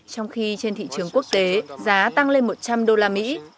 trong khi trên thị trường quốc tế giá tăng lên một trăm linh đô la mỹ